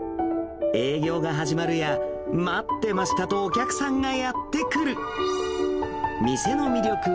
営業が始まるや、待ってましたとお客さんがやって来る。